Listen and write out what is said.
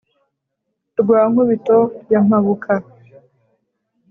Rwa Nkubito ya Mpabuka